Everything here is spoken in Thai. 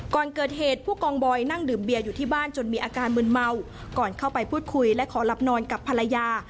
ก่อนเกิดเหตุผู้กองบอยนั่งดื่มเบียร์อยู่ที่บ้านจนมีอาการมืนเมาก่อนเข้าไปพูดคุยและขอหลับนอนกับภรรยา